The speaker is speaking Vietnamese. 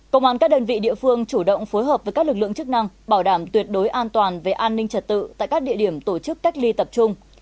công an các đơn vị địa phương chủ động phối hợp với các lực lượng chức năng bảo đảm tuyệt đối an toàn về an ninh trật tự tại các địa điểm tổ chức cách ly tập trung